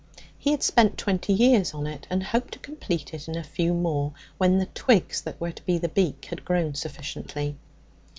He had spent twenty years on it, and hoped to complete it in a few more, when the twigs that were to be the beak had grown sufficiently.